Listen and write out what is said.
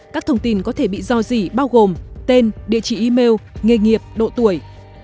các thông tin có thể bị do dị bao gồm tên địa chỉ email nghề nghiệp độ tuổi